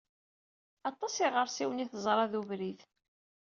Aṭas iɣersiwen i teẓra d ubrid.